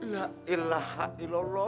ya ilah ilallah